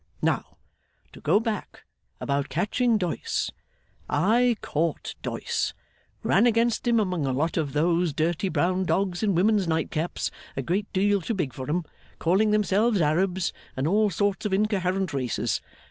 Now, to go back, about catching Doyce. I caught Doyce. Ran against him among a lot of those dirty brown dogs in women's nightcaps a great deal too big for 'em, calling themselves Arabs and all sorts of incoherent races.